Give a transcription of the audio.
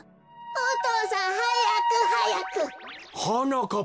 お父さんはやくはやく！はなかっ